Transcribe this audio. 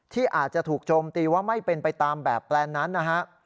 ที่อาจจะถูกโจมตีว่าไม่เป็นไปตามแบบแปลนนั้นนะฮะ